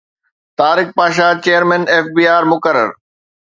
Tariq Pasha chairman F B R مقرر